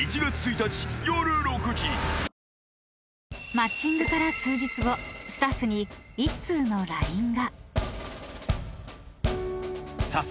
［マッチングから数日後スタッフに１通のＬＩＮＥが］